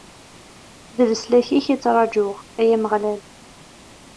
D leslak-ik i ttṛaǧuɣ, ay Ameɣlal!